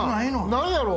何やろ？